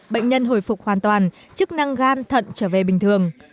bệnh nhân hồi phục hoàn toàn chức năng gan thận trở về bình thường